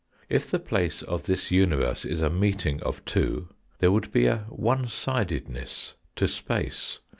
If the place of this universe is a meeting of two, there would be a one sideness to space.